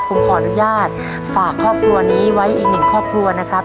ผมขออนุญาตฝากครอบครัวนี้ไว้อีกหนึ่งครอบครัวนะครับ